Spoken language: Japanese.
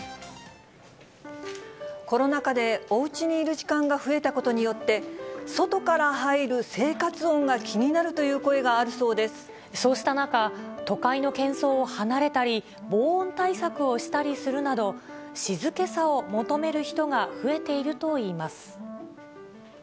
コロナ禍で、おうちにいる時間が増えたことによって、外から入る生活音が気にそうした中、都会のけん騒を離れたり、防音対策をしたりするなど、静けさを求める人が増えているといいます。